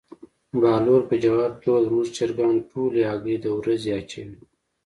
بهلول په ځواب کې وویل: زموږ چرګان ټولې هګۍ د ورځې اچوي.